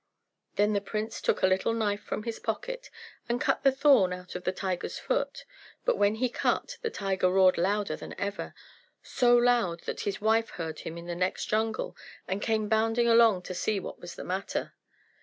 Then the prince took a little knife from his pocket, and cut the thorn out of the tiger's foot; but when he cut, the tiger roared louder than ever so loud that his wife heard him in the next jungle, and came bounding along to see what was the matter.